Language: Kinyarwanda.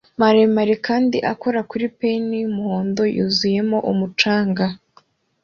maremare kandi akora kuri pail yumuhondo yuzuyemo umucanga